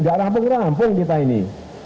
gak rampung rampung kita ini